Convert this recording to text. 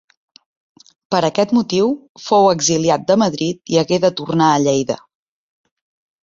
Per aquest motiu fou exiliat de Madrid i hagué de tornar a Lleida.